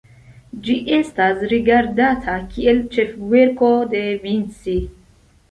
Ĝi estas rigardata kiel ĉefverko de Vinci.